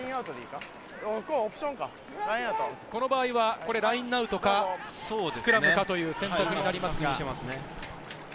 この場合はラインアウトかスクラムかという選択もありますが。